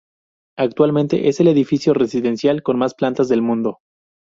Actualmente es el edificio residencial con más plantas del mundo.